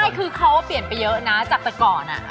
แต่พูดยางง่ายคือเขาเปลี่ยนไปเยอะนะจากแต่ก่อน